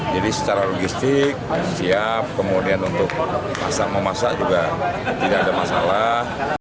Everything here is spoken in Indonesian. jadi secara logistik siap kemudian untuk memasak juga tidak ada masalah